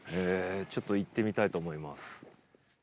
ちょっと行ってみたいと思います。